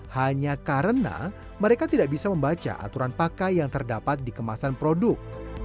hanya karena mereka tidak bisa membaca aturan pakai yang terdapat di kemasan produk